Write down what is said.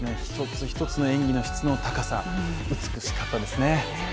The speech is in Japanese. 一つ一つの演技の質の高さ、美しかったですね。